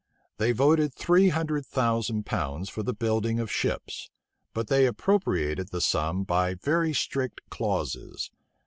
They voted three hundred thousand pounds for the building of ships; but they appropriated the sum by very strict clauses.